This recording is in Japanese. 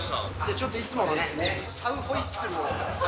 ちょっといつものね、サウホイッスルを。